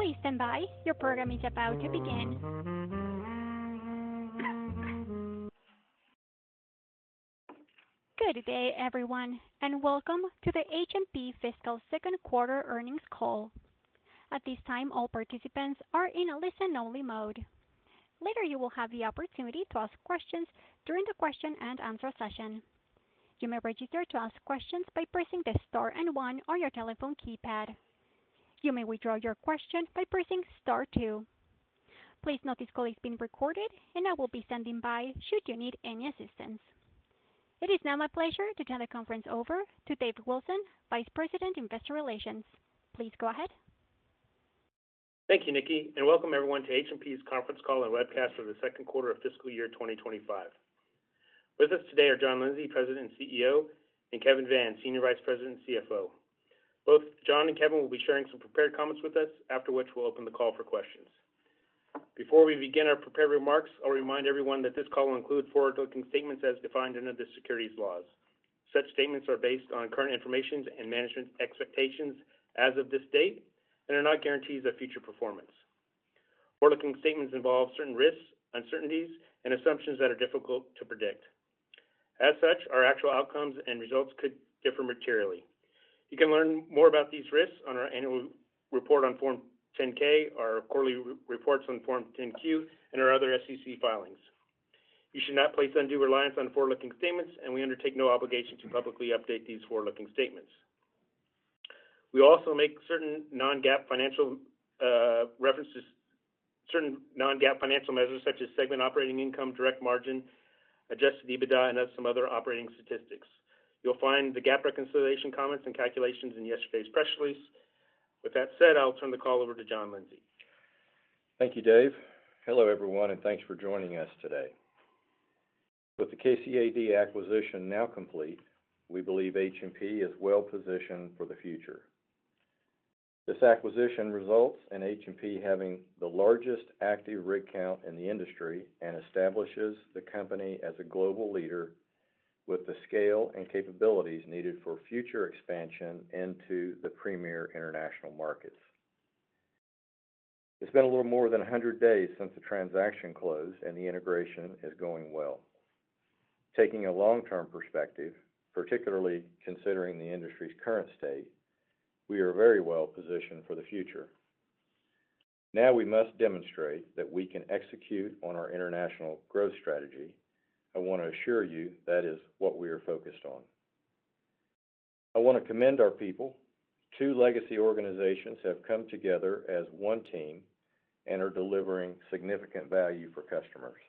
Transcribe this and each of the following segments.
Please stand by, your program is about to begin. Good day, everyone, and welcome to the H&P Fiscal Second Quarter Earnings Call. At this time, all participants are in a listen-only mode. Later, you will have the opportunity to ask questions during the question and answer session. You may register to ask questions by pressing the star and one on your telephone keypad. You may withdraw your question by pressing star two. Please note this call is being recorded, and I will be standing by should you need any assistance. It is now my pleasure to turn the conference over to Dave Wilson, Vice President, Investor Relations. Please go ahead. Thank you, Nikki, and welcome everyone to H&P's conference call and webcast for the second quarter of fiscal year 2025. With us today are John Lindsay, President and CEO, and Kevin Vann, Senior Vice President, CFO. Both John and Kevin will be sharing some prepared comments with us, after which we'll open the call for questions. Before we begin our prepared remarks, I'll remind everyone that this call will include forward-looking statements as defined under the securities laws. Such statements are based on current information and management expectations as of this date and are not guarantees of future performance. Forward-looking statements involve certain risks, uncertainties, and assumptions that are difficult to predict. As such, our actual outcomes and results could differ materially. You can learn more about these risks on our annual report on Form 10-K, our quarterly reports on Form 10-Q, and our other SEC filings. You should not place undue reliance on forward-looking statements, and we undertake no obligation to publicly update these forward-looking statements. We also make certain non-GAAP financial references, certain non-GAAP financial measures such as segment operating income, direct margin, adjusted EBITDA, and some other operating statistics. You'll find the GAAP reconciliation comments and calculations in yesterday's press release. With that said, I'll turn the call over to John Lindsay. Thank you, Dave. Hello, everyone, and thanks for joining us today. With the KCA Deutag acquisition now complete, we believe H&P is well positioned for the future. This acquisition results in H&P having the largest active rig count in the industry and establishes the company as a global leader with the scale and capabilities needed for future expansion into the premier international markets. It's been a little more than 100 days since the transaction closed, and the integration is going well. Taking a long-term perspective, particularly considering the industry's current state, we are very well positioned for the future. Now we must demonstrate that we can execute on our international growth strategy. I want to assure you that is what we are focused on. I want to commend our people. Two legacy organizations have come together as one team and are delivering significant value for customers.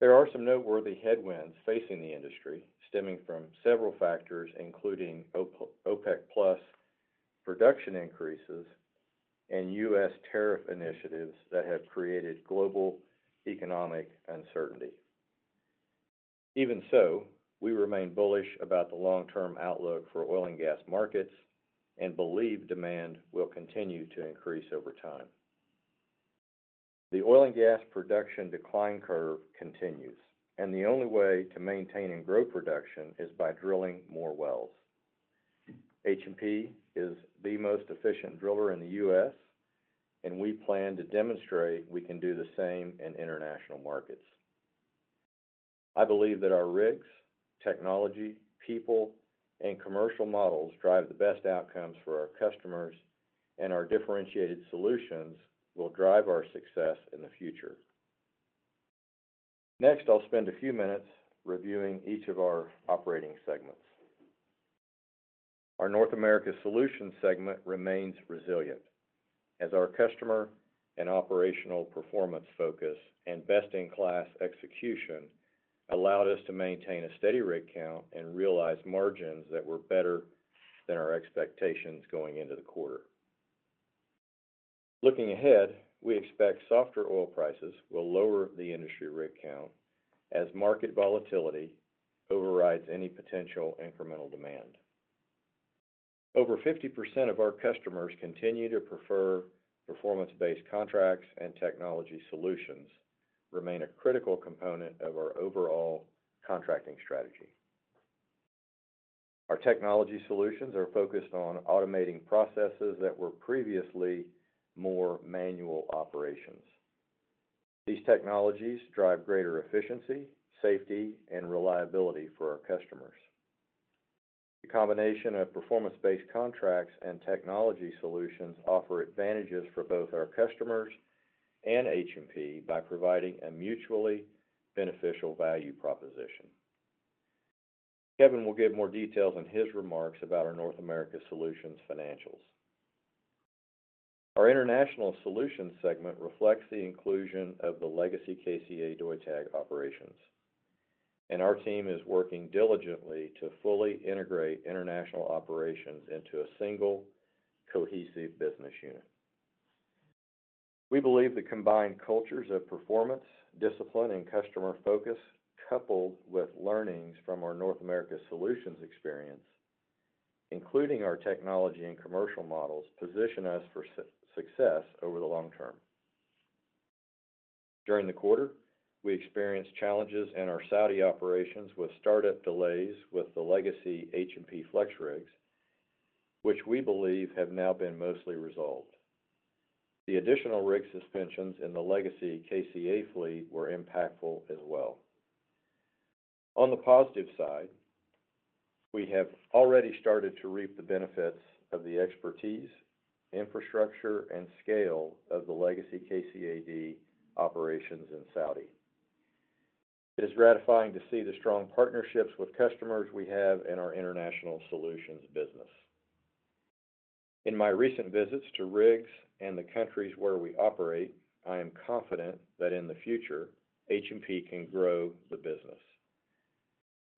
There are some noteworthy headwinds facing the industry stemming from several factors, including OPEC+ production increases and U.S. tariff initiatives that have created global economic uncertainty. Even so, we remain bullish about the long-term outlook for oil and gas markets and believe demand will continue to increase over time. The oil and gas production decline curve continues, and the only way to maintain and grow production is by drilling more wells. H&P is the most efficient driller in the U.S., and we plan to demonstrate we can do the same in international markets. I believe that our rigs, technology, people, and commercial models drive the best outcomes for our customers, and our differentiated solutions will drive our success in the future. Next, I'll spend a few minutes reviewing each of our operating segments. Our North America Solutions segment remains resilient as our customer and operational performance focus and best-in-class execution allowed us to maintain a steady rig count and realize margins that were better than our expectations going into the quarter. Looking ahead, we expect softer oil prices will lower the industry rig count as market volatility overrides any potential incremental demand. Over 50% of our customers continue to prefer Performance-based contracts and Technology solutions remain a critical component of our overall contracting strategy. Our Technology solutions are focused on automating processes that were previously more manual operations. These technologies drive greater efficiency, safety, and reliability for our customers. The combination of Performance-based contracts and echnology solutions offers advantages for both our customers and H&P by providing a mutually beneficial value proposition. Kevin will give more details in his remarks about our North America Solutions financials. Our International Solutions segment reflects the inclusion of the legacy KCA Deutag operations, and our team is working diligently to fully integrate international operations into a single cohesive business unit. We believe the combined cultures of performance, discipline, and customer focus, coupled with learnings from our North America Solutions experience, including our technology and commercial models, position us for success over the long term. During the quarter, we experienced challenges in our Saudi operations with startup delays with the legacy H&P FlexRigs, which we believe have now been mostly resolved. The additional rig suspensions in the legacy KCA fleet were impactful as well. On the positive side, we have already started to reap the benefits of the expertise, infrastructure, and scale of the legacy KCA Deutag operations in Saudi. It is gratifying to see the strong partnerships with customers we have in our International Solutions business. In my recent visits to rigs and the countries where we operate, I am confident that in the future, H&P can grow the business.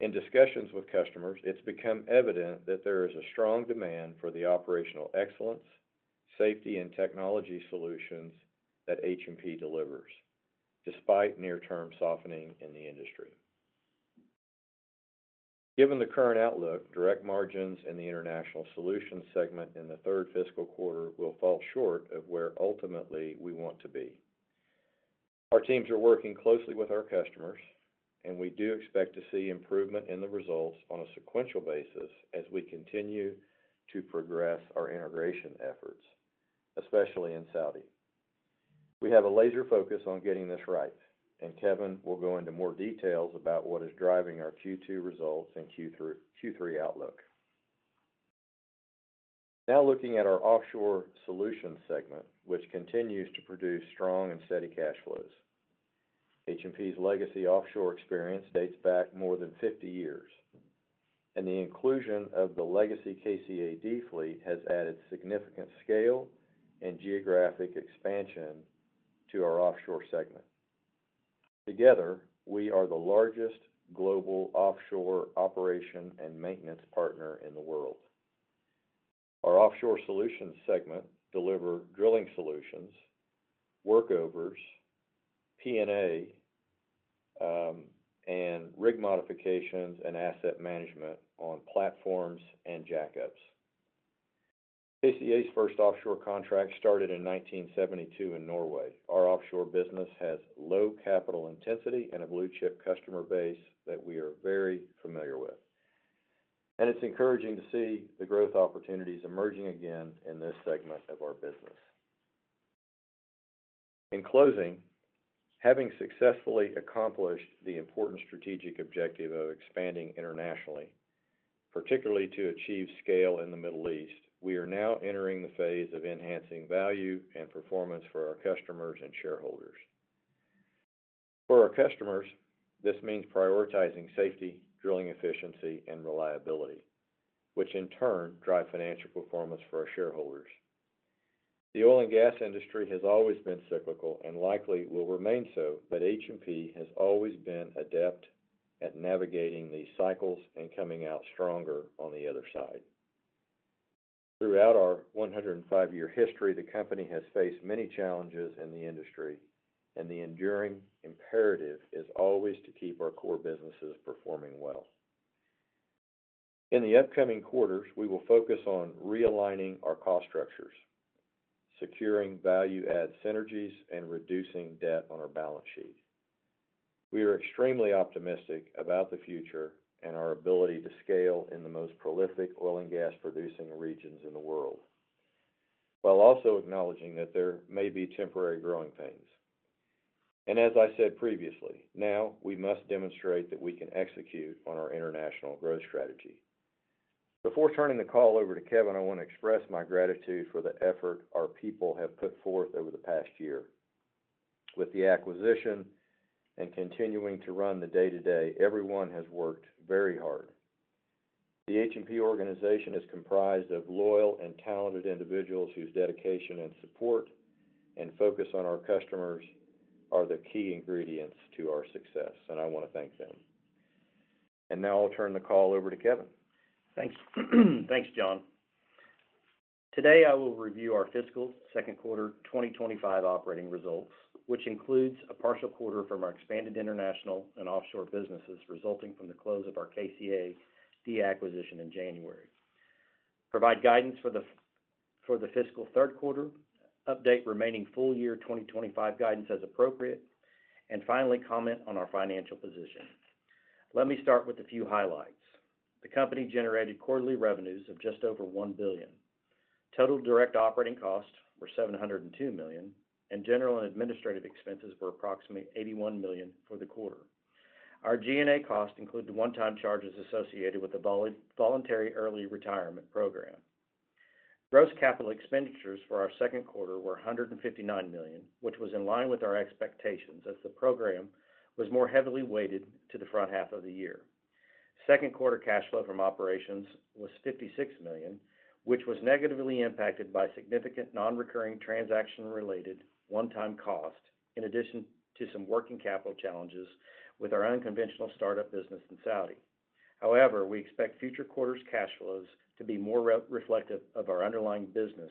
In discussions with customers, it's become evident that there is a strong demand for the operational excellence, safety, and Technology solutions that H&P delivers, despite near-term softening in the industry. Given the current outlook, direct margins in the international solutions segment in the third fiscal quarter will fall short of where ultimately we want to be. Our teams are working closely with our customers, and we do expect to see improvement in the results on a sequential basis as we continue to progress our integration efforts, especially in Saudi. We have a laser focus on getting this right, and Kevin will go into more details about what is driving our Q2 results and Q3 outlook. Now looking at our offshore solutions segment, which continues to produce strong and steady cash flows. H&P's legacy offshore experience dates back more than 50 years, and the inclusion of the legacy KCA Deutag fleet has added significant scale and geographic expansion to our offshore segment. Together, we are the largest global offshore operation and maintenance partner in the world. Our offshore solutions segment delivers drilling solutions, workovers, P&A, and rig modifications and asset management on platforms and jackups. KCA Deutag's first offshore contract started in 1972 in Norway. Our offshore business has low capital intensity and a blue-chip customer base that we are very familiar with, and it's encouraging to see the growth opportunities emerging again in this segment of our business. In closing, having successfully accomplished the important strategic objective of expanding internationally, particularly to achieve scale in the Middle East, we are now entering the phase of enhancing value and performance for our customers and shareholders. For our customers, this means prioritizing safety, drilling efficiency, and reliability, which in turn drive financial performance for our shareholders. The oil and gas industry has always been cyclical and likely will remain so, but H&P has always been adept at navigating these cycles and coming out stronger on the other side. Throughout our 105-year history, the company has faced many challenges in the industry, and the enduring imperative is always to keep our core businesses performing well. In the upcoming quarters, we will focus on realigning our cost structures, securing value-add synergies, and reducing debt on our balance sheet. We are extremely optimistic about the future and our ability to scale in the most prolific oil and gas-producing regions in the world, while also acknowledging that there may be temporary growing pains. As I said previously, now we must demonstrate that we can execute on our international growth strategy. Before turning the call over to Kevin, I want to express my gratitude for the effort our people have put forth over the past year. With the acquisition and continuing to run the day-to-day, everyone has worked very hard. The H&P organization is comprised of loyal and talented individuals whose dedication and support and focus on our customers are the key ingredients to our success, and I want to thank them. I will now turn the call over to Kevin. Thanks. Thanks, John. Today, I will review our fiscal second quarter 2025 operating results, which includes a partial quarter from our expanded international and offshore businesses resulting from the close of our KCA Deutag acquisition in January. Provide guidance for the fiscal third quarter, update remaining full-year 2025 guidance as appropriate, and finally comment on our financial position. Let me start with a few highlights. The company generated quarterly revenues of just over 1 billion. Total direct operating costs were 702 million, and general and administrative expenses were approximately 81 million for the quarter. Our G&A costs included one-time charges associated with the voluntary early retirement program. Gross capital expenditures for our second quarter were 159 million, which was in line with our expectations as the program was more heavily weighted to the front half of the year. Second quarter cash flow from operations was 56 million, which was negatively impacted by significant non-recurring transaction-related one-time costs in addition to some working capital challenges with our unconventional startup business in Saudi. However, we expect future quarter's cash flows to be more reflective of our underlying business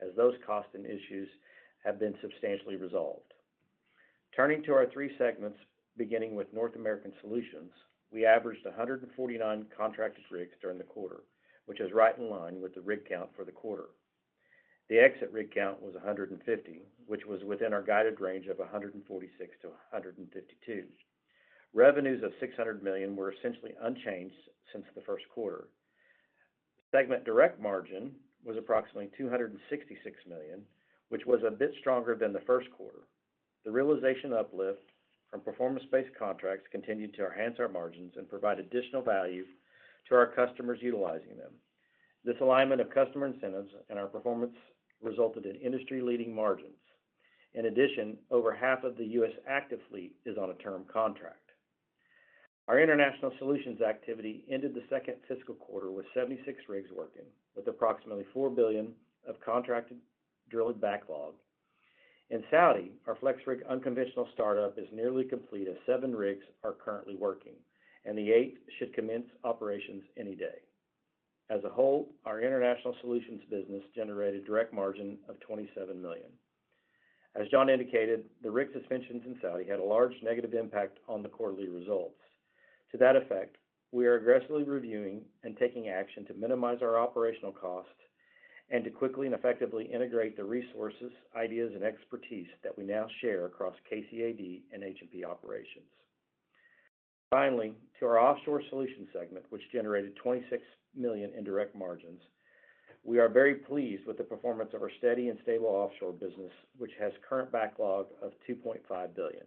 as those costs and issues have been substantially resolved. Turning to our three segments, beginning with North American Solutions, we averaged 149 contracted rigs during the quarter, which is right in line with the rig count for the quarter. The exit rig count was 150, which was within our guided range of 146-152. Revenues of 600 million were essentially unchanged since the first quarter. Segment direct margin was approximately 266 million, which was a bit stronger than the first quarter. The realization uplift from Performance-based contracts continued. to enhance our margins and provide additional value to our customers utilizing them. This alignment of customer incentives and our performance resulted in industry-leading margins. In addition, over half of the U.S. active fleet is on a term contract. Our international solutions activity ended the second fiscal quarter with 76 rigs working, with approximately 4 billion of contracted drilling backlog. In Saudi, our FlexRig unconventional startup is nearly complete as seven rigs are currently working, and the eighth should commence operations any day. As a whole, our international solutions business generated a direct margin of 27 million. As John indicated, the rig suspensions in Saudi had a large negative impact on the quarterly results. To that effect, we are aggressively reviewing and taking action to minimize our operational costs and to quickly and effectively integrate the resources, ideas, and expertise that we now share across KCA Deutag and H&P operations. Finally, to our offshore solutions segment, which generated 26 million in direct margins, we are very pleased with the performance of our steady and stable offshore business, which has a current backlog of 2.5 billion.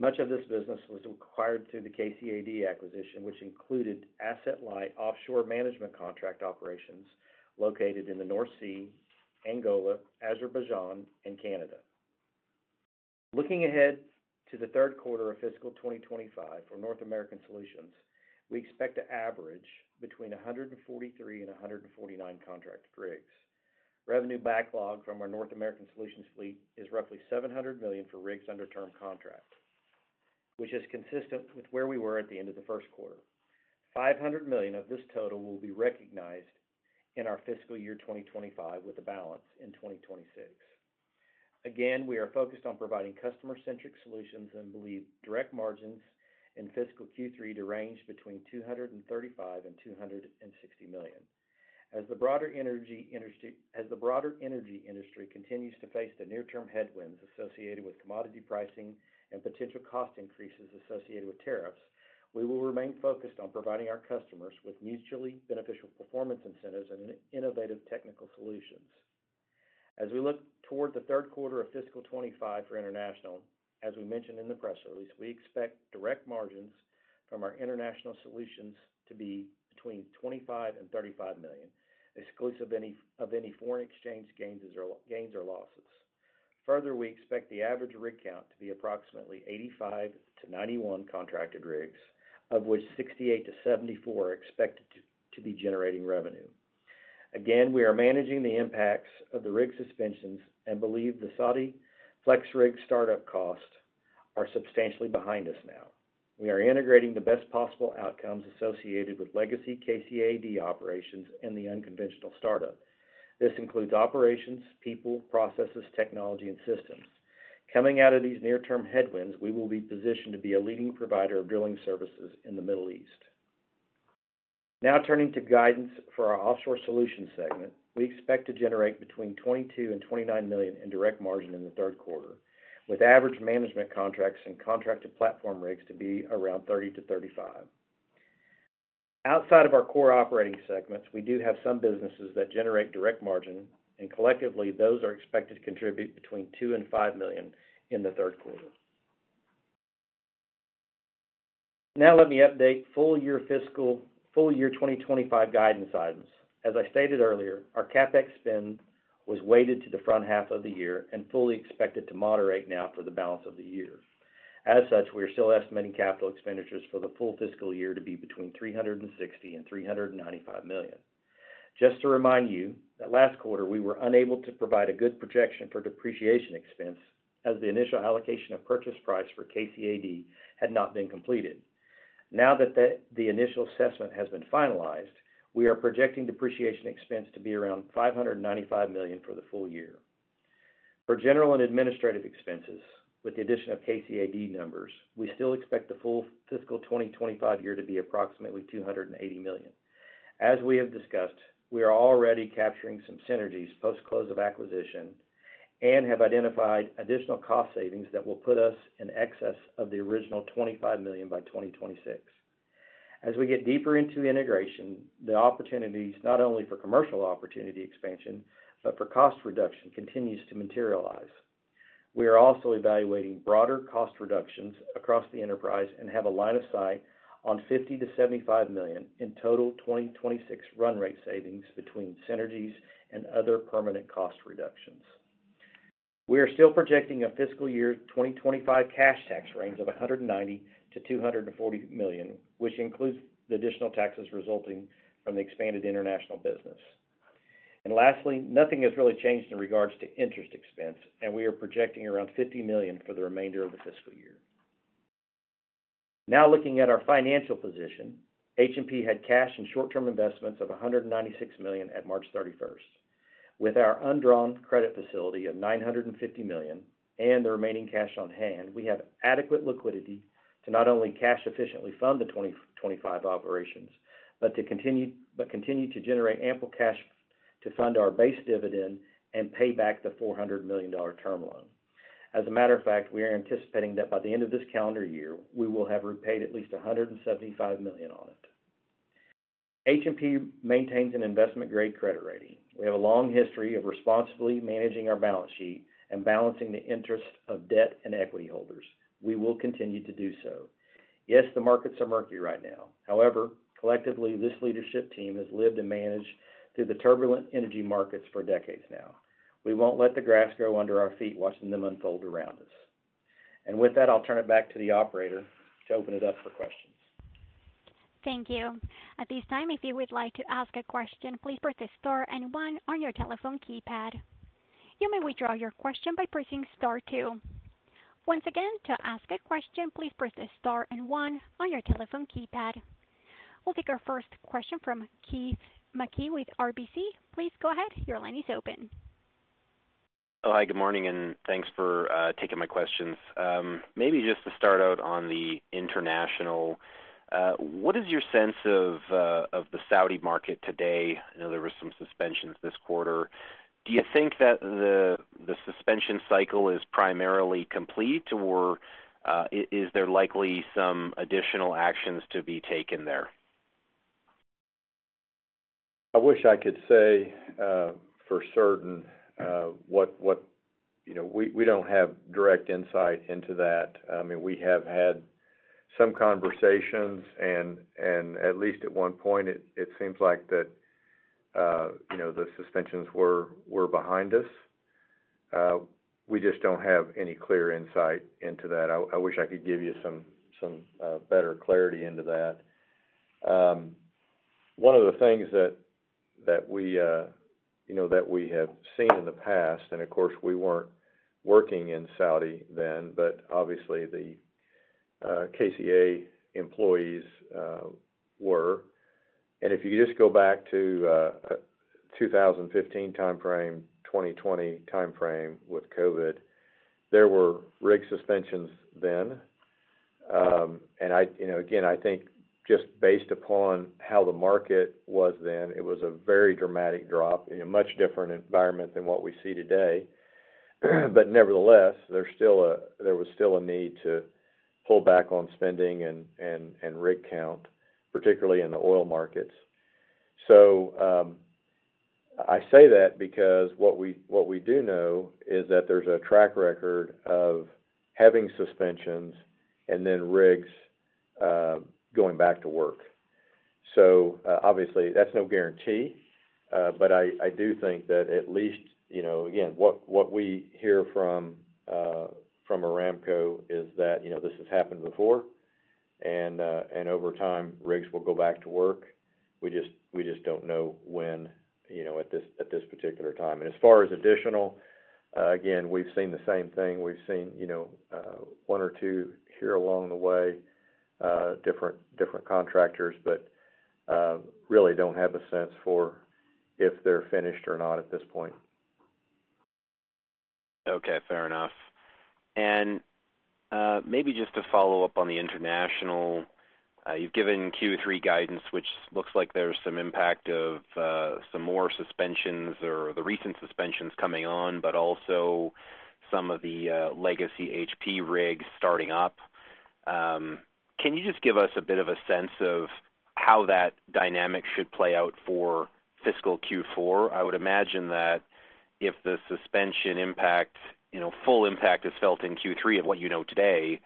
Much of this business was acquired through the KCA Deutag acquisition, which included asset-light offshore management contract operations located in the North Sea, Angola, Azerbaijan, and Canada. Looking ahead to the third quarter of fiscal 2025 for North American Solutions, we expect to average between 143 and 149 contracted rigs. Revenue backlog from our North American Solutions fleet is roughly 700 million for rigs under term contract, which is consistent with where we were at the end of the first quarter. 500 million of this total will be recognized in our fiscal year 2025 with a balance in 2026. Again, we are focused on providing customer-centric solutions and believe direct margins in fiscal Q3 to range between 235 and 260 million. As the broader energy industry continues to face the near-term headwinds associated with commodity pricing and potential cost increases associated with tariffs, we will remain focused on providing our customers with mutually beneficial performance incentives and innovative technical solutions. As we look toward the third quarter of fiscal 2025 for international, as we mentioned in the press release, we expect direct margins from our international solutions to be between 25 and 35 million, exclusive of any foreign exchange gains or losses. Further, we expect the average rig count to be approximately 85-91 contracted rigs, of which 68-74 are expected to be generating revenue. Again, we are managing the impacts of the rig suspensions and believe the Saudi FlexRig startup costs are substantially behind us now. We are integrating the best possible outcomes associated with legacy KCA Deutag operations and the unconventional startup. This includes operations, people, processes, technology, and systems. Coming out of these near-term headwinds, we will be positioned to be a leading provider of drilling services in the Middle East. Now turning to guidance for our Offshore Solutions segment, we expect to generate between 22 million and 29 million in direct margin in the third quarter, with average management contracts and contracted platform rigs to be around 30-35. Outside of our core operating segments, we do have some businesses that generate direct margin, and collectively, those are expected to contribute between 2 and 5 million in the third quarter. Now let me update full-year fiscal full-year 2025 guidance items. As I stated earlier, our CapEx spend was weighted to the front half of the year and fully expected to moderate now for the balance of the year. As such, we are still estimating capital expenditures for the full fiscal year to be between 360 and 395 million. Just to remind you that last quarter, we were unable to provide a good projection for depreciation expense as the initial allocation of purchase price for KCA Deutag had not been completed. Now that the initial assessment has been finalized, we are projecting depreciation expense to be around 595 million for the full year. For general and administrative expenses, with the addition of KCA Deutag numbers, we still expect the full fiscal 2025 year to be approximately 280 million. As we have discussed, we are already capturing some synergies post-close of acquisition and have identified additional cost savings that will put us in excess of the original 25 million by 2026. As we get deeper into integration, the opportunities not only for commercial opportunity expansion, but for cost reduction continues to materialize. We are also evaluating broader cost reductions across the enterprise and have a line of sight on 50-75 million in total 2026 run rate savings between synergies and other permanent cost reductions. We are still projecting a fiscal year 2025 cash tax range of 190-240 million, which includes the additional taxes resulting from the expanded international business. Lastly, nothing has really changed in regards to interest expense, and we are projecting around 50 million for the remainder of the fiscal year. Now looking at our financial position, H&P had cash and short-term investments of 196 million at March 31st. With our undrawn credit facility of 950 million and the remaining cash on hand, we have adequate liquidity to not only efficiently fund the 2025 operations, but to continue to generate ample cash to fund our base dividend and pay back the $400 million term loan. As a matter of fact, we are anticipating that by the end of this calendar year, we will have repaid at least 175 million on it. H&P maintains an investment-grade credit rating. We have a long history of responsibly managing our balance sheet and balancing the interests of debt and equity holders. We will continue to do so. Yes, the markets are murky right now. However, collectively, this leadership team has lived and managed through the turbulent energy markets for decades now. We won't let the grass grow under our feet watching them unfold around us. With that, I'll turn it back to the operator to open it up for questions. Thank you. At this time, if you would like to ask a question, please press the star and one on your telephone keypad. You may withdraw your question by pressing star two. Once again, to ask a question, please press the star and one on your telephone keypad. We'll take our first question from Keith Mackey with RBC. Please go ahead. Your line is open. Oh, hi. Good morning, and thanks for taking my questions. Maybe just to start out on the international, what is your sense of the Saudi market today? I know there were some suspensions this quarter. Do you think that the suspension cycle is primarily complete, or is there likely some additional actions to be taken there? I wish I could say for certain what we do not have direct insight into that. I mean, we have had some conversations, and at least at one point, it seems like that the suspensions were behind us. We just do not have any clear insight into that. I wish I could give you some better clarity into that. One of the things that we have seen in the past, and of course, we were not working in Saudi then, but obviously, the KCA employees were. If you just go back to the 2015 timeframe, 2020 timeframe with COVID, there were rig suspensions then. I think just based upon how the market was then, it was a very dramatic drop in a much different environment than what we see today. Nevertheless, there was still a need to pull back on spending and rig count, particularly in the oil markets. I say that because what we do know is that there's a track record of having suspensions and then rigs going back to work. Obviously, that's no guarantee, but I do think that at least, again, what we hear from Aramco is that this has happened before, and over time, rigs will go back to work. We just don't know when at this particular time. As far as additional, again, we've seen the same thing. We've seen one or two here along the way, different contractors, but really don't have a sense for if they're finished or not at this point. Okay. Fair enough. Maybe just to follow up on the international, you've given Q3 guidance, which looks like there's some impact of some more suspensions or the recent suspensions coming on, but also some of the legacy H&P rigs starting up. Can you just give us a bit of a sense of how that dynamic should play out for fiscal Q4? I would imagine that if the suspension impact, full impact is felt in Q3 of what you know today,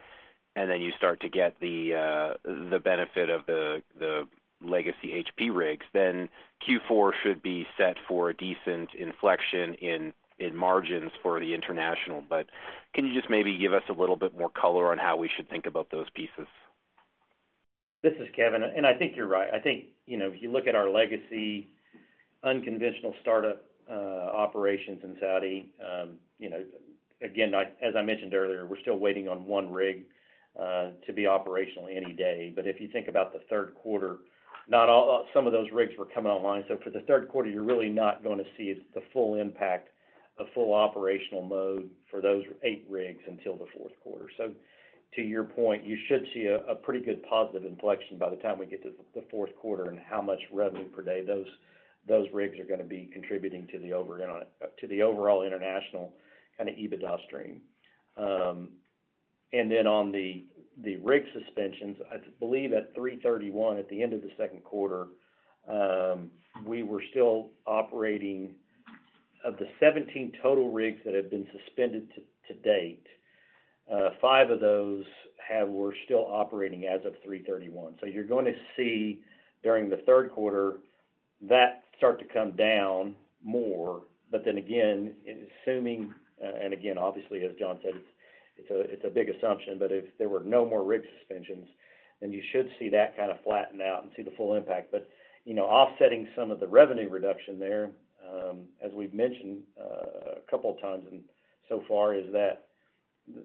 and then you start to get the benefit of the legacy H&P rigs, then Q4 should be set for a decent inflection in margins for the international. Can you just maybe give us a little bit more color on how we should think about those pieces? This is Kevin. I think you're right. I think if you look at our legacy unconventional startup operations in Saudi, again, as I mentioned earlier, we're still waiting on one rig to be operational any day. If you think about the third quarter, some of those rigs were coming online. For the third quarter, you're really not going to see the full impact, the full operational mode for those eight rigs until the fourth quarter. To your point, you should see a pretty good positive inflection by the time we get to the fourth quarter and how much revenue per day those rigs are going to be contributing to the overall international kind of EBITDA stream. On the rig suspensions, I believe at 3/31 at the end of the second quarter, we were still operating, of the 17 total rigs that have been suspended to date, five of those were still operating as of 3/31. You are going to see during the third quarter that start to come down more. Again, obviously, as John said, it is a big assumption, but if there were no more rig suspensions, then you should see that kind of flatten out and see the full impact. Offsetting some of the revenue reduction there, as we have mentioned a couple of times so far, is that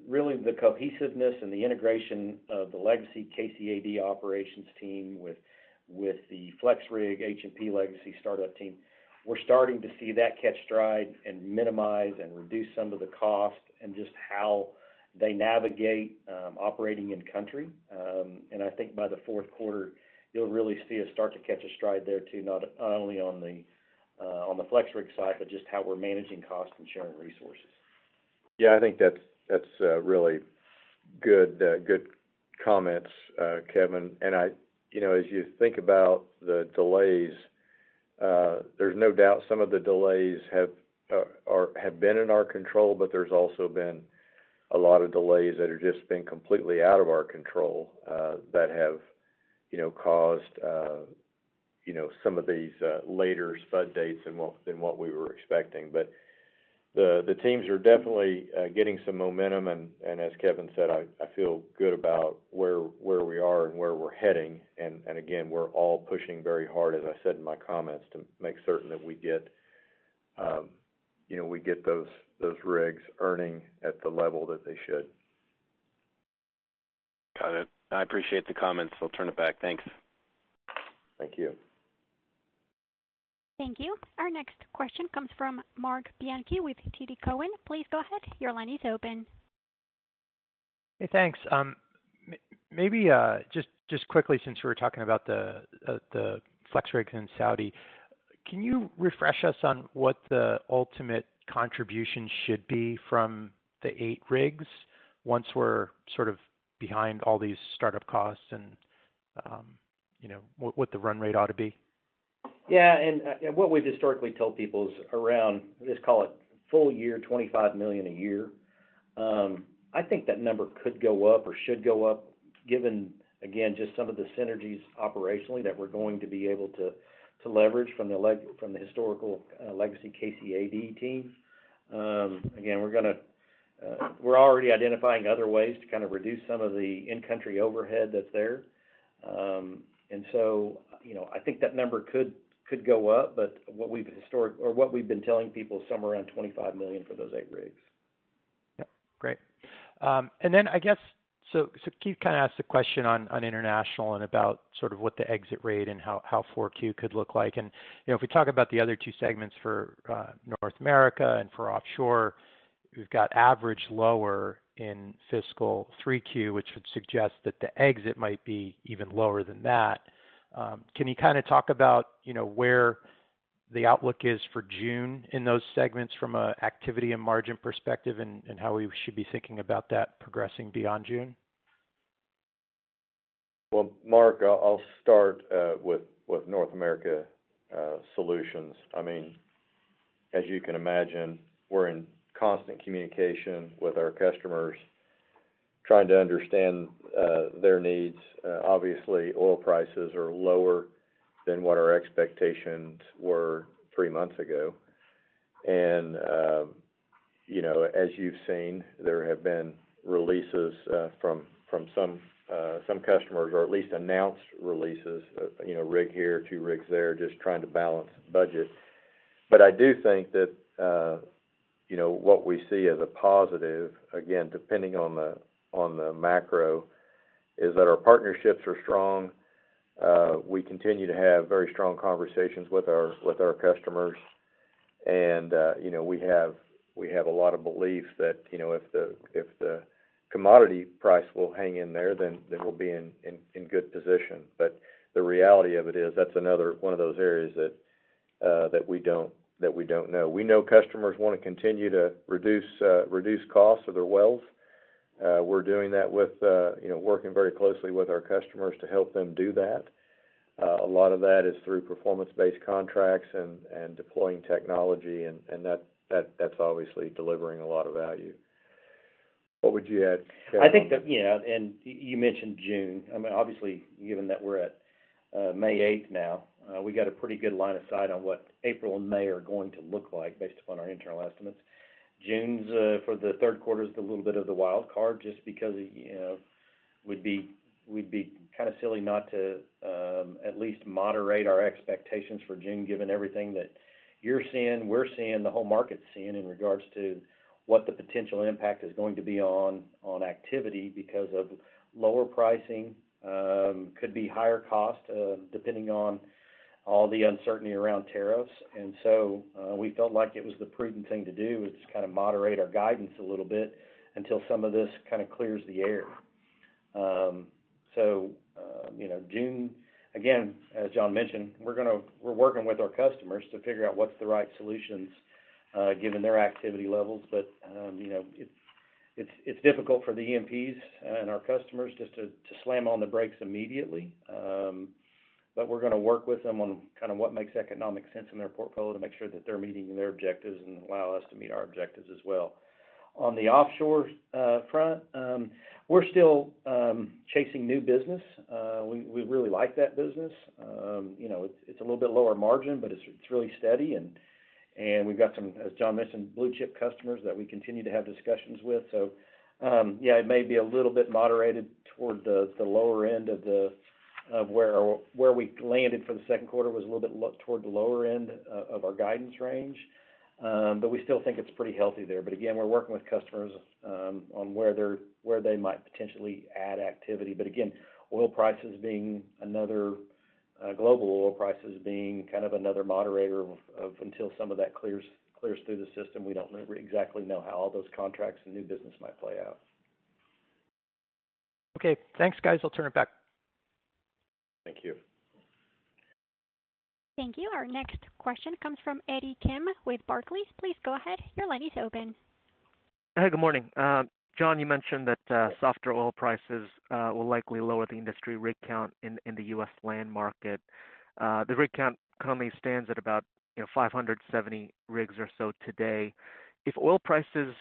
really the cohesiveness and the integration of the legacy KCA Deutag operations team with the FlexRig, H&P legacy startup team. We're starting to see that catch stride and minimize and reduce some of the cost and just how they navigate operating in country. I think by the fourth quarter, you'll really see us start to catch a stride there too, not only on the FlexRig side, but just how we're managing cost and sharing resources. Yeah, I think that's really good comments, Kevin. As you think about the delays, there's no doubt some of the delays have been in our control, but there's also been a lot of delays that have just been completely out of our control that have caused some of these later spud dates than what we were expecting. The teams are definitely getting some momentum. As Kevin said, I feel good about where we are and where we're heading. Again, we're all pushing very hard, as I said in my comments, to make certain that we get those rigs earning at the level that they should. I appreciate the comments. I'll turn it back. Thanks. Thank you. Thank you. Our next question comes from Mark Bianchi with TD Cowen. Please go ahead. Your line is open. Hey, thanks. Maybe just quickly, since we were talking about the FlexRig rigs in Saudi, can you refresh us on what the ultimate contribution should be from the eight rigs once we're sort of behind all these startup costs and what the run rate ought to be? Yeah. What we've historically told people is around, let's call it full year, 25 million a year. I think that number could go up or should go up given, again, just some of the synergies operationally that we're going to be able to leverage from the historical legacy KCA Deutag team. Again, we're already identifying other ways to kind of reduce some of the in-country overhead that's there. I think that number could go up, but what we've historically or what we've been telling people is somewhere around 25 million for those eight rigs. Great. I guess Keith kind of asked the question on international and about sort of what the exit rate and how 4Q could look like. If we talk about the other two segments for North America and for offshore, we have got average lower in fiscal 3Q, which would suggest that the exit might be even lower than that. Can you kind of talk about where the outlook is for June in those segments from an activity and margin perspective and how we should be thinking about that progressing beyond June? Mark, I'll start with North America Solutions. I mean, as you can imagine, we're in constant communication with our customers, trying to understand their needs. Obviously, oil prices are lower than what our expectations were three months ago. As you've seen, there have been releases from some customers or at least announced releases, rig here, two rigs there, just trying to balance budget. I do think that what we see as a positive, again, depending on the macro, is that our partnerships are strong. We continue to have very strong conversations with our customers. We have a lot of belief that if the commodity price will hang in there, then we'll be in good position. The reality of it is that's another one of those areas that we don't know. We know customers want to continue to reduce costs of their wells. We're doing that with working very closely with our customers to help them do that. A lot of that is through Performance-based contracts and deploying technology. That's obviously delivering a lot of value. What would you add, Kevin? I think that, and you mentioned June. I mean, obviously, given that we're at May 8th now, we got a pretty good line of sight on what April and May are going to look like based upon our internal estimates. June for the third quarter is a little bit of the wild card just because it would be kind of silly not to at least moderate our expectations for June, given everything that you're seeing, we're seeing, the whole market's seeing in regards to what the potential impact is going to be on activity because of lower pricing, could be higher cost depending on all the uncertainty around tariffs. And so we felt like it was the prudent thing to do is kind of moderate our guidance a little bit until some of this kind of clears the air. June, again, as John mentioned, we're working with our customers to figure out what's the right solutions given their activity levels. But it's difficult for the E&Ps and our customers just to slam on the brakes immediately. We're going to work with them on kind of what makes economic sense in their portfolio to make sure that they're meeting their objectives and allow us to meet our objectives as well. On the offshore front, we're still chasing new business. We really like that business. It's a little bit lower margin, but it's really steady. We've got some, as John mentioned, blue-chip customers that we continue to have discussions with. Yeah, it may be a little bit moderated toward the lower end of where we landed for the second quarter was a little bit toward the lower end of our guidance range. We still think it's pretty healthy there. Again, we're working with customers on where they might potentially add activity. Again, oil prices being another, global oil prices being kind of another moderator of, until some of that clears through the system, we don't exactly know how all those contracts and new business might play out. Okay. Thanks, guys. I'll turn it back. Thank you. Thank you. Our next question comes from Eddie Kim with Barclays. Please go ahead. Your line is open. Hey, good morning. John, you mentioned that softer oil prices will likely lower the industry rig count in the U.S. land market. The rig count currently stands at about 570 rigs or so today. If oil prices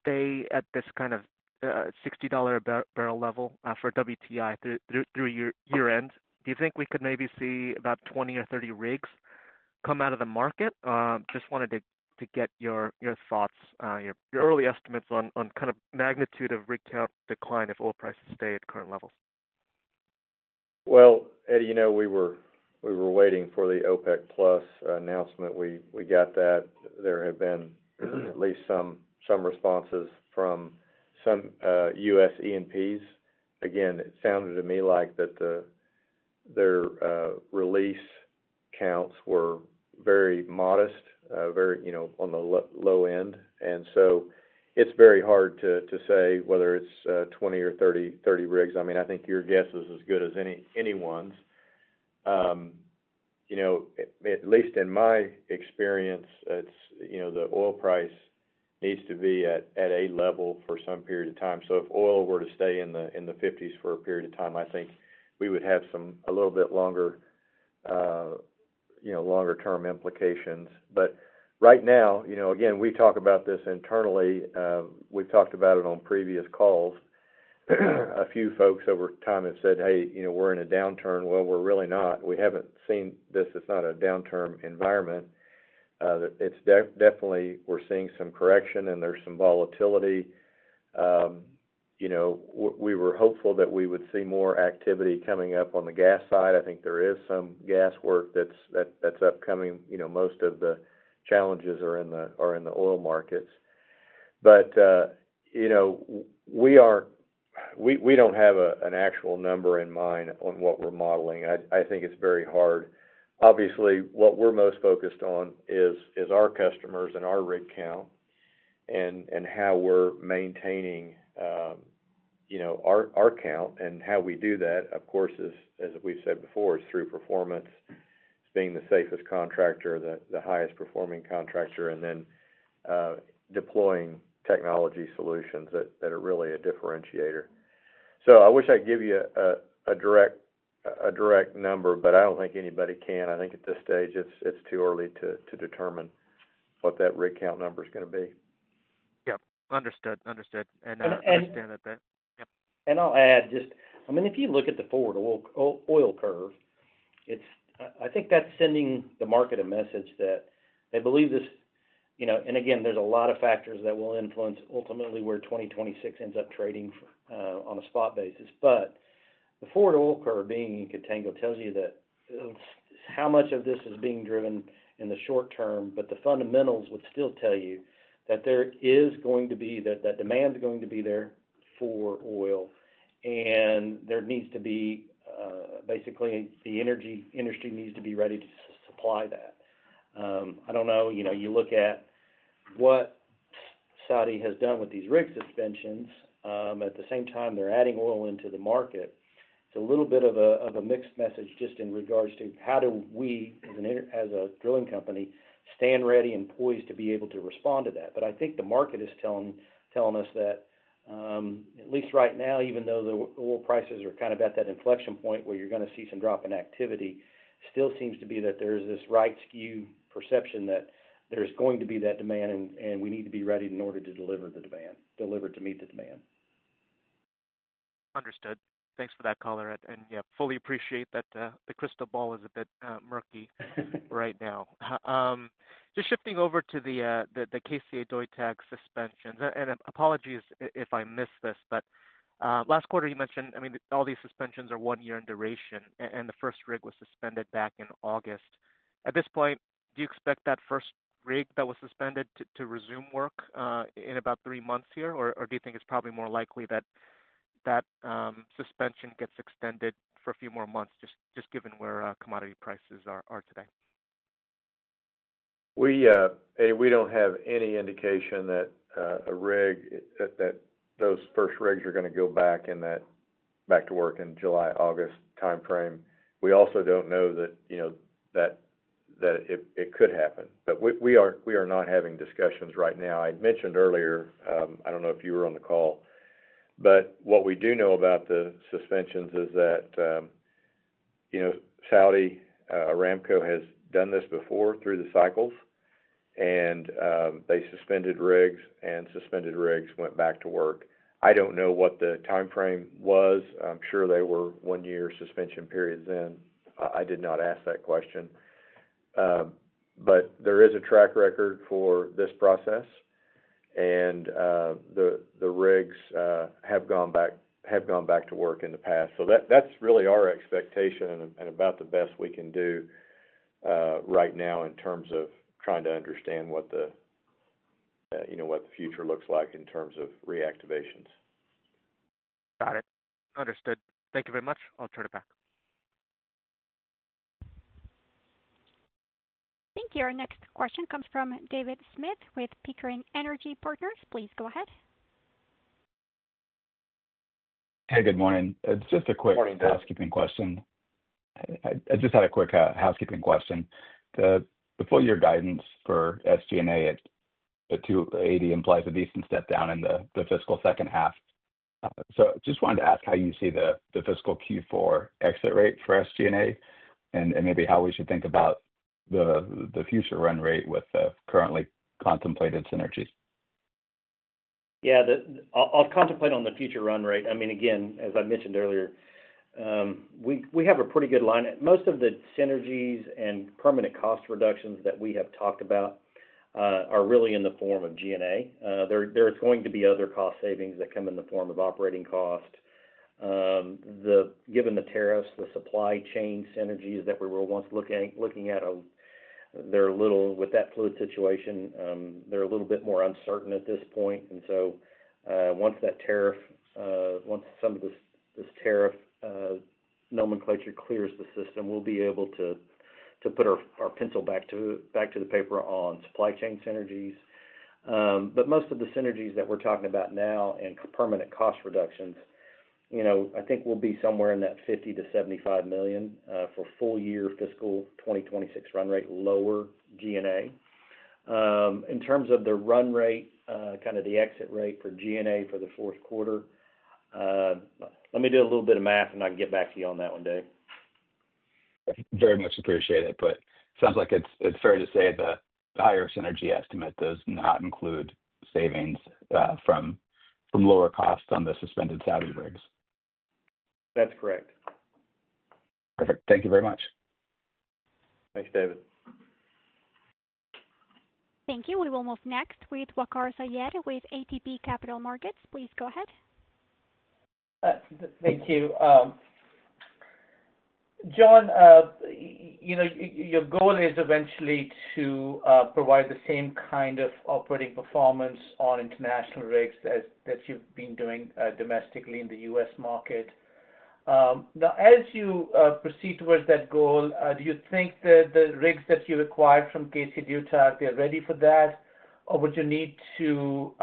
stay at this kind of $60 barrel level for WTI through year-end, do you think we could maybe see about 20 or 30 rigs come out of the market? Just wanted to get your thoughts, your early estimates on kind of magnitude of rig count decline if oil prices stay at current levels. Eddie, we were waiting for the OPEC+ announcement. We got that. There have been at least some responses from some U.S. EMPs. Again, it sounded to me like their release counts were very modest, very on the low end. It is very hard to say whether it is 20 or 30 rigs. I mean, I think your guess is as good as anyone's. At least in my experience, the oil price needs to be at a level for some period of time. If oil were to stay in the 50s for a period of time, I think we would have a little bit longer-term implications. Right now, again, we talk about this internally. We have talked about it on previous calls. A few folks over time have said, "Hey, we are in a downturn." We are really not. We have not seen this. It is not a downturn environment. Definitely, we're seeing some correction, and there's some volatility. We were hopeful that we would see more activity coming up on the gas side. I think there is some gas work that's upcoming. Most of the challenges are in the oil markets. We don't have an actual number in mind on what we're modeling. I think it's very hard. Obviously, what we're most focused on is our customers and our rig count and how we're maintaining our count and how we do that, of course, as we've said before, is through performance, being the safest contractor, the highest-performing contractor, and then deploying Technology solutions that are really a differentiator. I wish I could give you a direct number, but I don't think anybody can. I think at this stage, it's too early to determine what that rig count number is going to be. Yep. Understood. I understand that. Yeah. I'll add just, I mean, if you look at the forward oil curve, I think that's sending the market a message that they believe this. Again, there's a lot of factors that will influence ultimately where 2026 ends up trading on a spot basis. The forward oil curve being in contango tells you that how much of this is being driven in the short term, but the fundamentals would still tell you that there is going to be that demand is going to be there for oil. There needs to be, basically, the energy industry needs to be ready to supply that. I don't know. You look at what Saudi has done with these rig suspensions. At the same time, they're adding oil into the market. It's a little bit of a mixed message just in regards to how do we as a drilling company stand ready and poised to be able to respond to that. I think the market is telling us that at least right now, even though the oil prices are kind of at that inflection point where you're going to see some drop in activity, still seems to be that there's this right skew perception that there's going to be that demand, and we need to be ready in order to deliver the demand, deliver to meet the demand. Understood. Thanks for that, Callerich. Yeah, fully appreciate that the crystal ball is a bit murky right now. Just shifting over to the KCA Deutag suspensions. Apologies if I missed this, but last quarter, you mentioned, I mean, all these suspensions are one year in duration, and the first rig was suspended back in August. At this point, do you expect that first rig that was suspended to resume work in about three months here, or do you think it's probably more likely that that suspension gets extended for a few more months just given where commodity prices are today? Eddie, we do not have any indication that those first rigs are going to go back to work in the July, August timeframe. We also do not know that it could happen. We are not having discussions right now. I mentioned earlier, I do not know if you were on the call, but what we do know about the suspensions is that Saudi, Aramco has done this before through the cycles, and they suspended rigs, and suspended rigs went back to work. I do not know what the timeframe was. I am sure they were one-year suspension periods then. I did not ask that question. There is a track record for this process, and the rigs have gone back to work in the past. That is really our expectation and about the best we can do right now in terms of trying to understand what the future looks like in terms of reactivations. Got it. Understood. Thank you very much. I'll turn it back. Thank you. Our next question comes from David Smith with Pickering Energy Partners. Please go ahead. Hey, good morning. It's just a quick housekeeping question. The full-year guidance for SG&A at $280 million implies a decent step down in the fiscal second half. I just wanted to ask how you see the fiscal Q4 exit rate for SG&A and maybe how we should think about the future run rate with the currently contemplated synergies. Yeah. I'll contemplate on the future run rate. I mean, again, as I mentioned earlier, we have a pretty good line. Most of the synergies and permanent cost reductions that we have talked about are really in the form of G&A. There's going to be other cost savings that come in the form of operating cost. Given the tariffs, the supply chain synergies that we were once looking at, they're a little with that fluid situation, they're a little bit more uncertain at this point. Once that tariff, once some of this tariff nomenclature clears the system, we'll be able to put our pencil back to the paper on supply chain synergies. Most of the synergies that we're talking about now and permanent cost reductions, I think we'll be somewhere in that $50 million-$75 million for full-year fiscal 2026 run rate lower G&A. In terms of the run rate, kind of the exit rate for G&A for the fourth quarter, let me do a little bit of math, and I can get back to you on that one, Dave. Very much appreciate it. It sounds like it's fair to say the higher synergy estimate does not include savings from lower costs on the suspended Saudi rigs. That's correct. Perfect. Thank you very much. Thanks, David. Thank you. We will move next with Waqar Syed with ATB Capital Markets. Please go ahead. Thank you. John, your goal is eventually to provide the same kind of operating performance on international rigs that you've been doing domestically in the U.S. market. Now, as you proceed towards that goal, do you think that the rigs that you acquired from KCA Deutag, they're ready for that, or would you need to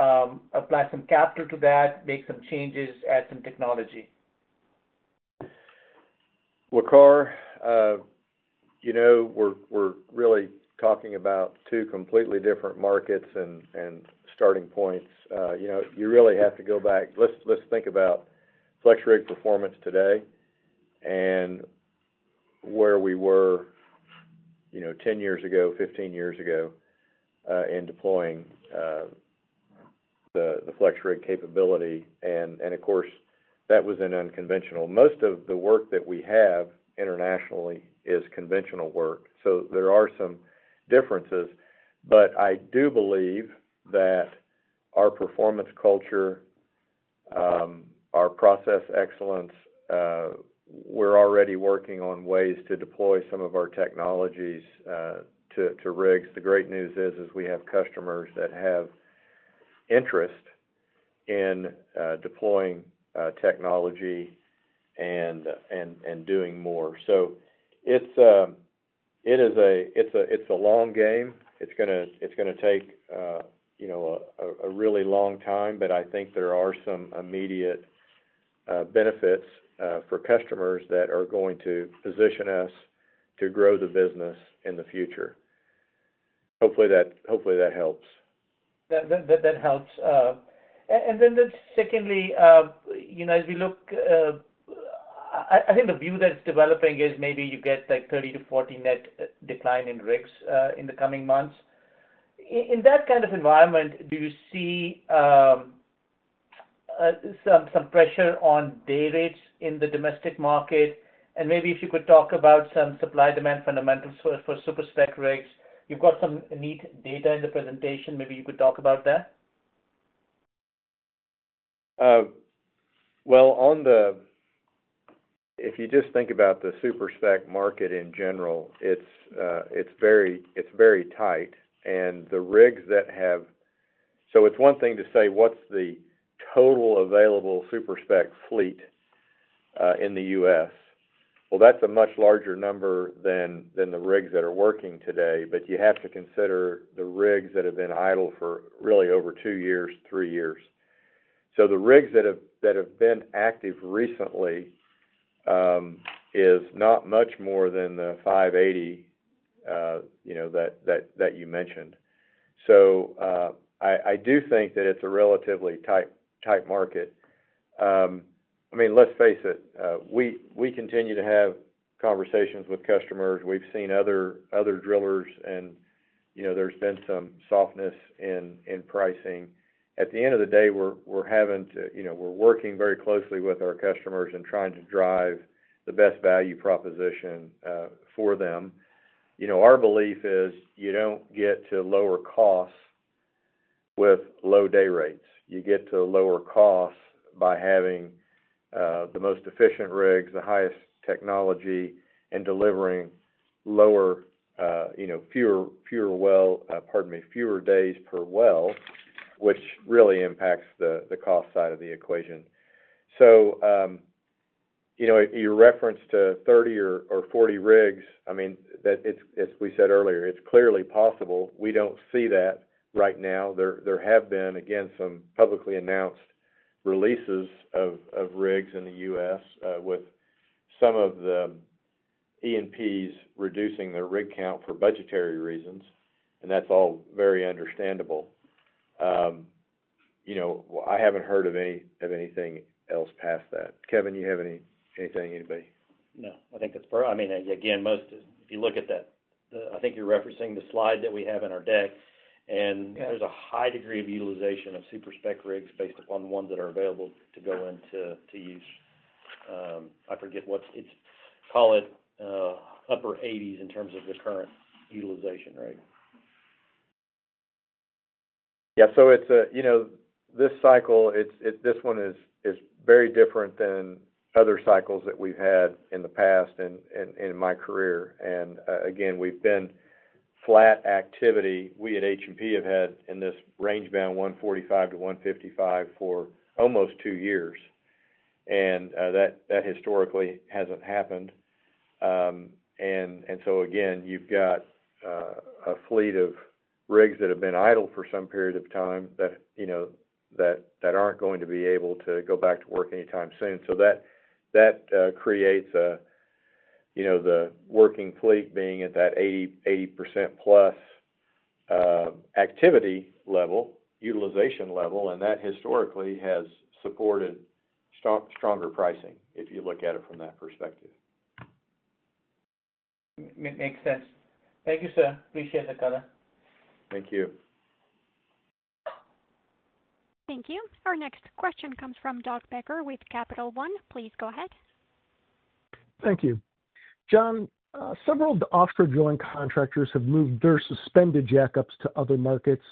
apply some capital to that, make some changes, add some technology? Wakaris, we're really talking about two completely different markets and starting points. You really have to go back. Let's think about FlexRig performance today and where we were 10 years ago, 15 years ago in deploying the FlexRig capability. Of course, that was an unconventional. Most of the work that we have internationally is conventional work. There are some differences. I do believe that our performance culture, our process excellence, we're already working on ways to deploy some of our technologies to rigs. The great news is we have customers that have interest in deploying technology and doing more. It is a long game. It's going to take a really long time, but I think there are some immediate benefits for customers that are going to position us to grow the business in the future. Hopefully, that helps. That helps. Secondly, as we look, I think the view that's developing is maybe you get like 30-40 net decline in rigs in the coming months. In that kind of environment, do you see some pressure on day rates in the domestic market? Maybe if you could talk about some supply-demand fundamentals for super spec rigs. You've got some neat data in the presentation. Maybe you could talk about that. If you just think about the super spec market in general, it's very tight. And the rigs that have, so it's one thing to say, "What's the total available super spec fleet in the U.S.?" That's a much larger number than the rigs that are working today. You have to consider the rigs that have been idle for really over two years, three years. The rigs that have been active recently is not much more than the 580 that you mentioned. I do think that it's a relatively tight market. I mean, let's face it, we continue to have conversations with customers. We've seen other drillers, and there's been some softness in pricing. At the end of the day, we're working very closely with our customers and trying to drive the best value proposition for them. Our belief is you do not get to lower costs with low day rates. You get to lower costs by having the most efficient rigs, the highest technology, and delivering fewer, well, pardon me, fewer days per well, which really impacts the cost side of the equation. Your reference to 30 or 40 rigs, I mean, as we said earlier, it is clearly possible. We do not see that right now. There have been, again, some publicly announced releases of rigs in the U.S. with some of the E&Ps reducing their rig count for budgetary reasons. That is all very understandable. I have not heard of anything else past that. Kevin, do you have anything, anybody? No. I think that's probably, I mean, again, most, if you look at that, I think you're referencing the slide that we have in our deck. And there's a high degree of utilization of Super Spec rigs based upon the ones that are available to go into use. I forget what it's, call it upper 80s in terms of the current utilization, right? Yeah. This cycle, this one is very different than other cycles that we've had in the past in my career. Again, we've been flat activity. We at H&P have had in this rangebound 145-155 for almost two years. That historically hasn't happened. Again, you've got a fleet of rigs that have been idle for some period of time that aren't going to be able to go back to work anytime soon. That creates the working fleet being at that 80% plus activity level, utilization level. That historically has supported stronger pricing if you look at it from that perspective. Makes sense. Thank you, sir. Appreciate the color. Thank you. Thank you. Our next question comes from Doug Becker with Capital One. Please go ahead. Thank you. John, several offshore drilling contractors have moved their suspended jackups to other markets.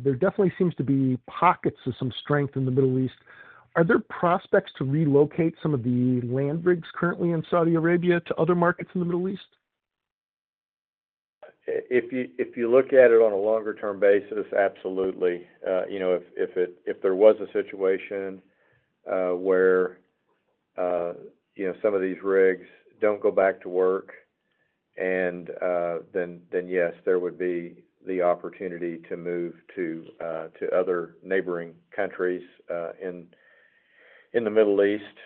There definitely seems to be pockets of some strength in the Middle East. Are there prospects to relocate some of the land rigs currently in Saudi Arabia to other markets in the Middle East? If you look at it on a longer-term basis, absolutely. If there was a situation where some of these rigs do not go back to work, then yes, there would be the opportunity to move to other neighboring countries in the Middle East.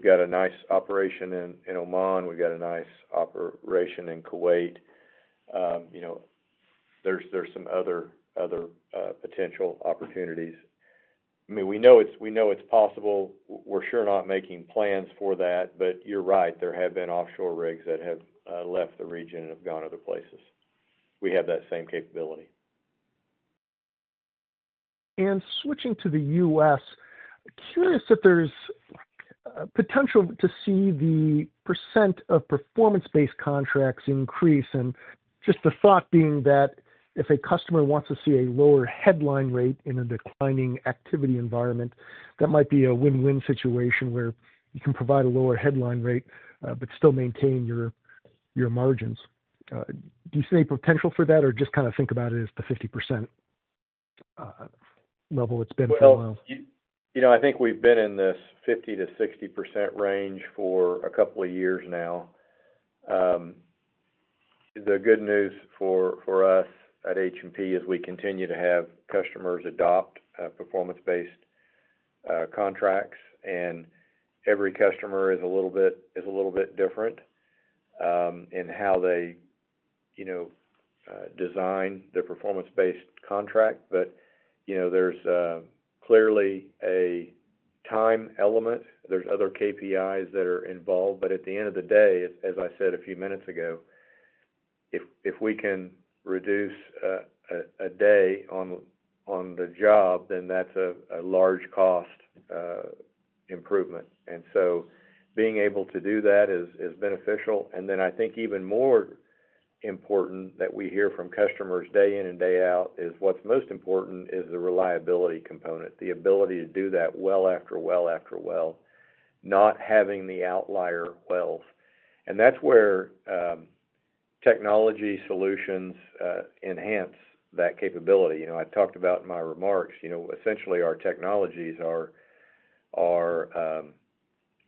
We have a nice operation in Oman. We have a nice operation in Kuwait. There are some other potential opportunities. I mean, we know it is possible. We are sure not making plans for that. You are right. There have been offshore rigs that have left the region and have gone other places. We have that same capability. Switching to the U.S., curious if there's potential to see the percent of Performance-based contracts increase. Just the thought being that if a customer wants to see a lower headline rate in a declining activity environment, that might be a win-win situation where you can provide a lower headline rate but still maintain your margins. Do you see any potential for that, or just kind of think about it as the 50% level? It's been for a while. I think we've been in this 50-60% range for a couple of years now. The good news for us at H&P is we continue to have customers adopt Performance-based contracts. Every customer is a little bit different in how they design their performance-based contract. There's clearly a time element. There are other KPIs that are involved. At the end of the day, as I said a few minutes ago, if we can reduce a day on the job, that's a large cost improvement. Being able to do that is beneficial. I think even more important that we hear from customers day in and day out is what's most important is the reliability component, the ability to do that well after well after well, not having the outlier wells. That's where Technology solutions enhance that capability. I talked about in my remarks, essentially, our technologies are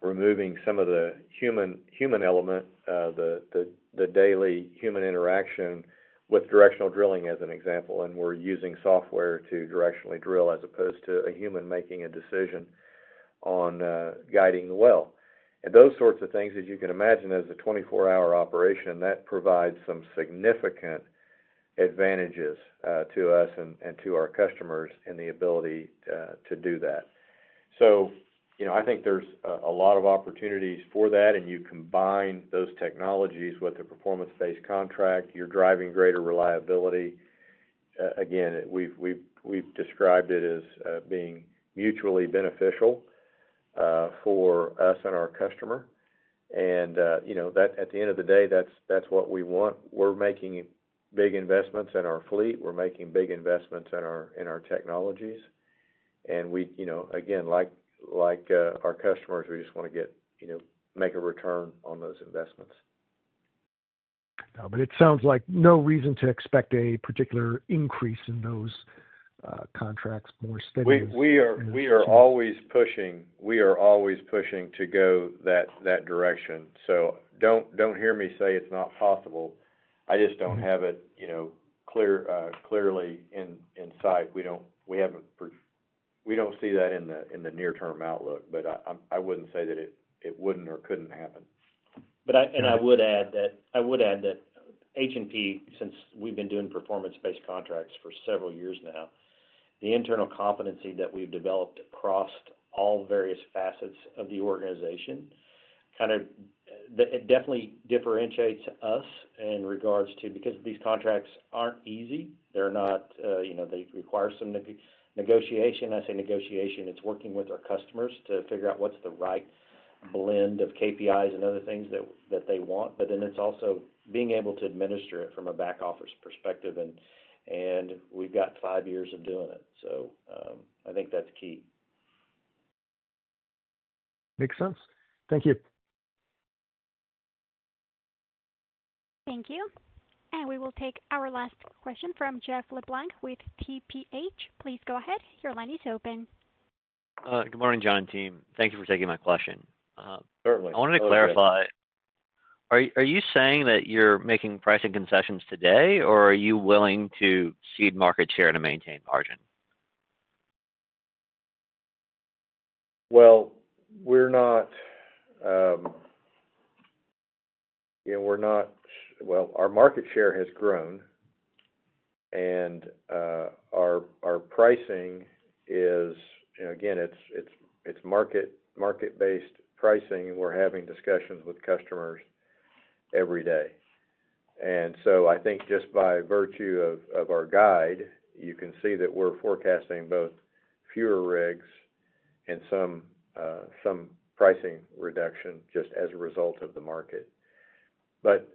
removing some of the human element, the daily human interaction with directional drilling as an example. We're using software to directionally drill as opposed to a human making a decision on guiding the well. Those sorts of things that you can imagine as a 24-hour operation, that provides some significant advantages to us and to our customers in the ability to do that. I think there's a lot of opportunities for that. You combine those technologies with the performance-based contract, you're driving greater reliability. Again, we've described it as being mutually beneficial for us and our customer. At the end of the day, that's what we want. We're making big investments in our fleet. We're making big investments in our technologies. Like our customers, we just want to make a return on those investments. It sounds like no reason to expect a particular increase in those contracts more steadily. We are always pushing. We are always pushing to go that direction. So do not hear me say it is not possible. I just do not have it clearly in sight. We do not see that in the near-term outlook. But I would not say that it would not or could not happen. I would add that H&P, since we've been doing Performance-based contracts for several years now, the internal competency that we've developed across all various facets of the organization, kind of it definitely differentiates us in regards to because these contracts aren't easy. They're not, they require some negotiation. I say negotiation. It's working with our customers to figure out what's the right blend of KPIs and other things that they want. Then it's also being able to administer it from a back-office perspective. We've got five years of doing it. I think that's key. Makes sense. Thank you. Thank you. We will take our last question from Jeff LeBlanc with TPH. Please go ahead. Your line is open. Good morning, John and team. Thank you for taking my question. Certainly. I wanted to clarify. Are you saying that you're making pricing concessions today, or are you willing to cede market share to maintain margin? Our market share has grown. And our pricing is, again, it's market-based pricing. We're having discussions with customers every day. I think just by virtue of our guide, you can see that we're forecasting both fewer rigs and some pricing reduction just as a result of the market.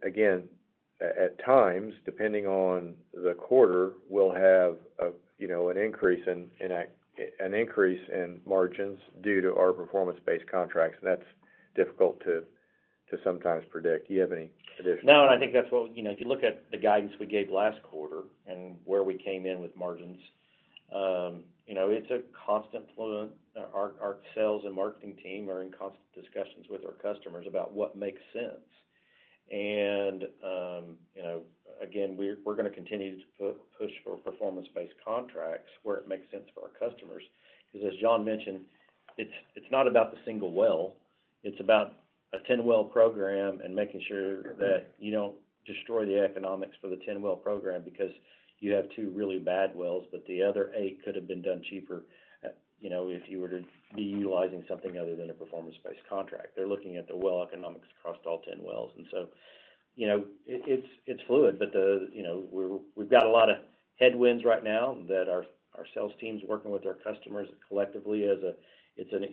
Again, at times, depending on the quarter, we'll have an increase in margins due to our Performance-based contracts. That's difficult to sometimes predict. Do you have any additional? No. I think that is what, if you look at the guidance we gave last quarter and where we came in with margins, it is a constant flow. Our sales and marketing team are in constant discussions with our customers about what makes sense. Again, we are going to continue to push for Performance-based contracts where it makes sense for our customers. Because as John mentioned, it is not about the single well. It is about a 10-well program and making sure that you do not destroy the economics for the 10-well program because you have two really bad wells, but the other eight could have been done cheaper if you were to be utilizing something other than a performance-based contract. They are looking at the well economics across all 10 wells. It is fluid. We have got a lot of headwinds right now that our sales team is working with our customers collectively. It's an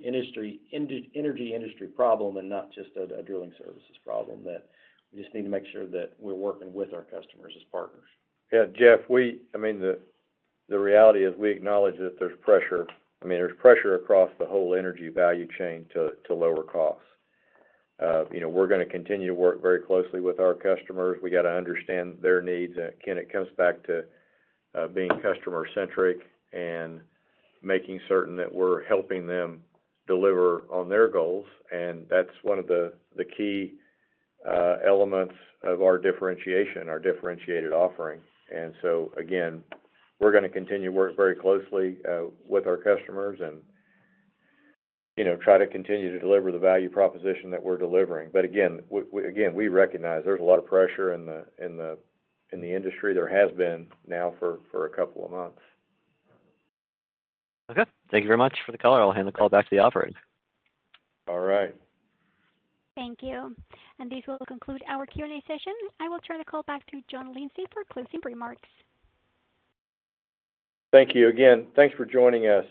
energy industry problem and not just a drilling services problem that we just need to make sure that we're working with our customers as partners. Yeah. Jeff, I mean, the reality is we acknowledge that there's pressure. I mean, there's pressure across the whole energy value chain to lower costs. We're going to continue to work very closely with our customers. We got to understand their needs. I mean, it comes back to being customer-centric and making certain that we're helping them deliver on their goals. That's one of the key elements of our differentiation, our differentiated offering. I mean, we're going to continue to work very closely with our customers and try to continue to deliver the value proposition that we're delivering. We recognize there's a lot of pressure in the industry. There has been now for a couple of months. Okay. Thank you very much for the call. I'll hand the call back to the operator. All right. Thank you. This will conclude our Q&A session. I will turn the call back to John Lindsay for closing remarks. Thank you again. Thanks for joining us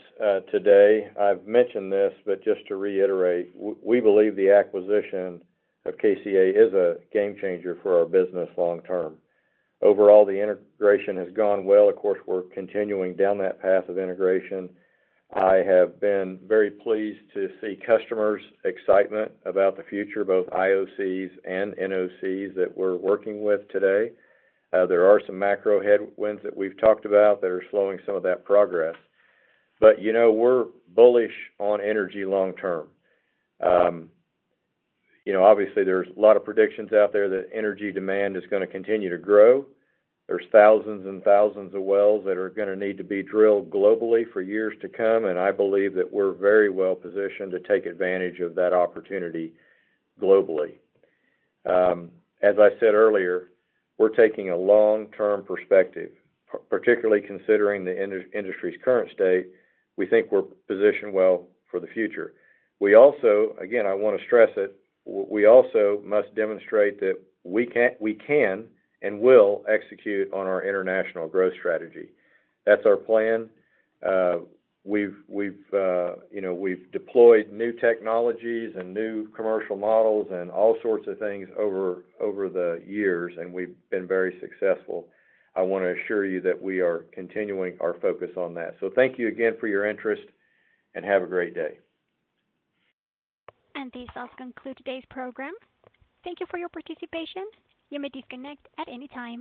today. I've mentioned this, but just to reiterate, we believe the acquisition of KCA Deutag is a game changer for our business long-term. Overall, the integration has gone well. Of course, we're continuing down that path of integration. I have been very pleased to see customers' excitement about the future, both IOC and NOC that we're working with today. There are some macro headwinds that we've talked about that are slowing some of that progress. We are bullish on energy long-term. Obviously, there's a lot of predictions out there that energy demand is going to continue to grow. There are thousands and thousands of wells that are going to need to be drilled globally for years to come. I believe that we're very well positioned to take advantage of that opportunity globally. As I said earlier, we're taking a long-term perspective, particularly considering the industry's current state. We think we're positioned well for the future. Again, I want to stress it. We also must demonstrate that we can and will execute on our international growth strategy. That's our plan. We've deployed new technologies and new commercial models and all sorts of things over the years. We've been very successful. I want to assure you that we are continuing our focus on that. Thank you again for your interest. Have a great day. This does conclude today's program. Thank you for your participation. You may disconnect at any time.